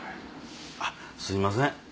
あっすいません。